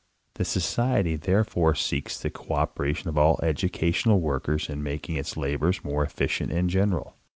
The Society therefore seeks the codperation of all educational workers in making its labors more efficient and general.